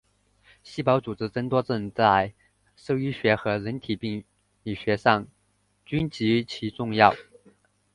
组织细胞增多症在兽医学和人体病理学上均极其重要。